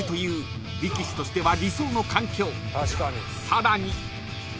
［さらに］